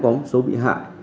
cũng có một số bị hại